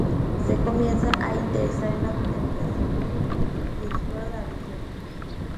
Se comienza a interesar en la botánica siendo niño, y explora la región.